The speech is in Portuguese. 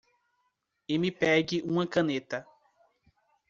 E me pegue uma caneta.